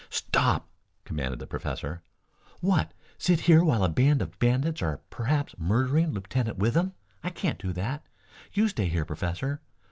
"Stop!" commanded the professor. "What, sit here while a band of bandits are perhaps murdering Lieutenant Withem? I can't do that. You stay here, Professor.